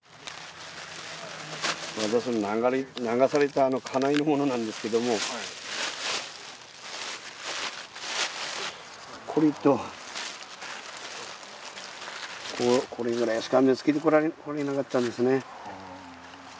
私の流された家内のものなんですけどもこれとこれぐらいしか見つけてこられなかったんですね